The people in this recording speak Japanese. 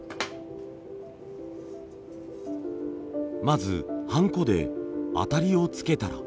まずハンコであたりをつけたら。